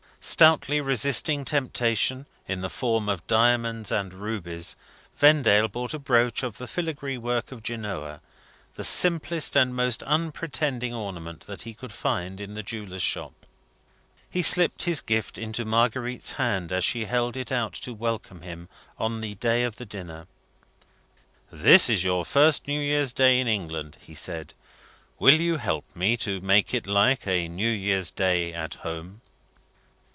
Stoutly resisting temptation, in the form of diamonds and rubies, Vendale bought a brooch of the filagree work of Genoa the simplest and most unpretending ornament that he could find in the jeweller's shop. He slipped his gift into Marguerite's hand as she held it out to welcome him on the day of the dinner. "This is your first New Year's Day in England," he said. "Will you let me help to make it like a New Year's Day at home?"